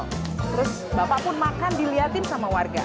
terus bapak pun makan dilihatin sama warga